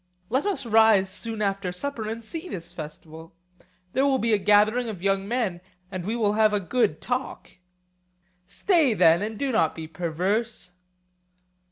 Let us rise soon after supper and see this festival; there will be a gathering of young men, and we will have a good talk. Stay then, and do not be perverse.